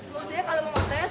maksudnya kalau mau tes